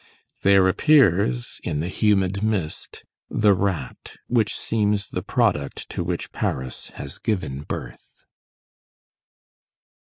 There appears, in the humid mist, the rat which seems the product to which Paris has given birth.